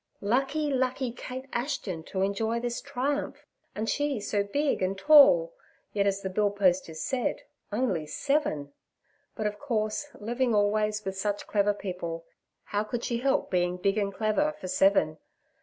Lucky, lucky Kate Ashton to enjoy this triumph, and she so big and tall, yet, as the bill posters said, only seven. But, of course, living always with such clever people, how could she help being big and clever for seven?